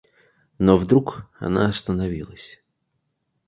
Но вдруг она остановилась.